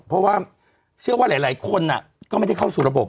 เพราะว่าเชื่อว่าหลายคนก็ไม่ได้เข้าสู่ระบบ